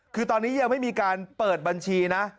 คือตอนนี้ยังไม่มีการเปิดบัญชีนะ